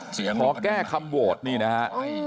ขอแก้คำโหวตนี่นะฮะ